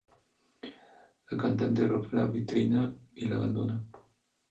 La cantante rompe la vitrina y la abandona.